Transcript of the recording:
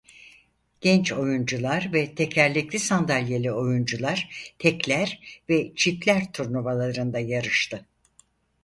Genç oyuncular ve tekerlekli sandalyeli oyuncular tekler ve çiftler turnuvalarında yarıştı.